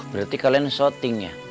berarti kalian syuting ya